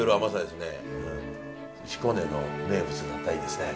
彦根の名物になったらいいですね。